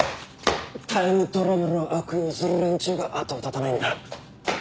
タイムトラベルを悪用する連中が後を絶たないんだ。